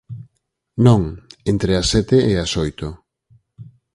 Non, entre as sete e as oito.